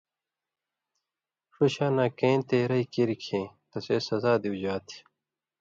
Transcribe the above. ݜُو شاناں کېں تېرئ کیریۡ کھیں تسے سزا دیُوژا تھی۔